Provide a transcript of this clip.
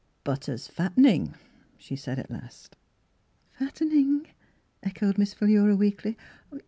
" Butter's fattening," she said at last. "Fattening?" echoed Miss Philura weakly.